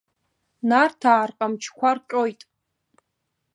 Нарҭаа рҟамчқәа рҟьоит.